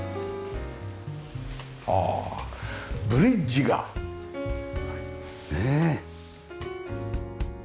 ああブリッジがねえ。